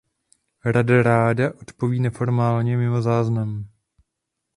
Rada ráda odpovídá neformálně, mimo záznam.